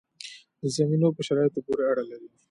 د زمینو په شرایطو پورې اړه لري.